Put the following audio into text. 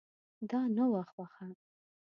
دا نه وه خوښه.